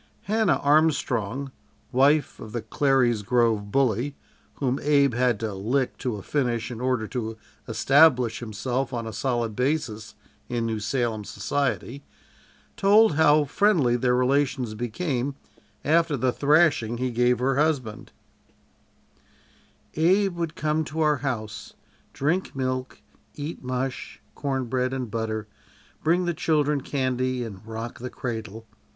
Hannah Armstrong, wife of the Clary's Grove bully, whom Abe had to "lick" to a finish in order to establish himself on a solid basis in New Salem society, told how friendly their relations became after the thrashing he gave her husband: "Abe would come to our house, drink milk, eat mush, cornbread and butter, bring the children candy and rock the cradle."